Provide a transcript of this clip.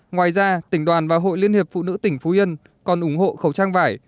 ngoài ra tỉnh đoàn và hội liên hiệp phụ nữ tỉnh phú yên còn ủng hộ khẩu trang vải